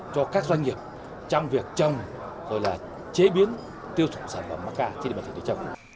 cho các doanh nghiệp trong việc trồng rồi là chế biến tiêu chuẩn sản phẩm macca trên địa bàn tỉnh